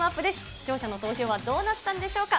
視聴者の投票はどうなったんでしょうか。